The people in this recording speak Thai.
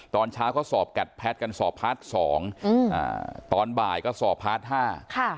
ตอนเช้าก็สอบแกดแพทย์กันสอบพาร์ทสองอืมอ่าตอนบ่ายก็สอบพาร์ทห้าค่ะ